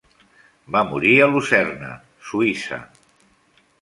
Va morir a Lucerna, Suïssa.